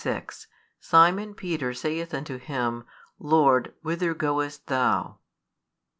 36 Simon Peter saith unto Him, Lord, whither goest Thou?